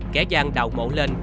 kẻ gian đào mộ lên